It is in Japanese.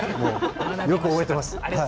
よく覚えていますね。